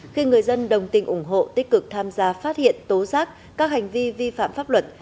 khi người dân đồng tình ủng hộ tích cực tham gia phát hiện tố giác các hành vi vi phạm pháp luật